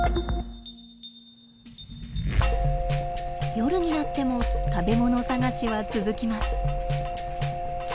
夜になっても食べもの探しは続きます。